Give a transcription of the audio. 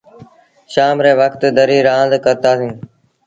شآم ري وکت دريٚ رآند ڪرتآ سيٚݩ۔